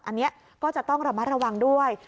อันนี้ก็จะต้องระมัดระวังด้วย